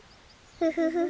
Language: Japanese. フフフフ。